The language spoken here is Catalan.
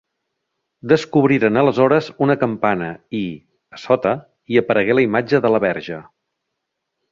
Descobriren aleshores una campana i, a sota, hi aparegué la imatge de la Verge.